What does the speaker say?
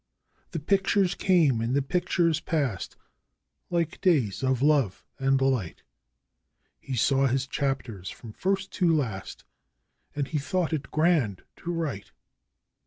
The pictures came and the pictures passed, like days of love and light He saw his chapters from first to last, and he thought it grand to write.